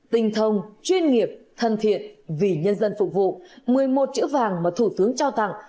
tinh thông chuyên nghiệp thân thiện vì nhân dân phục vụ một mươi một chữ vàng mà thủ tướng trao tặng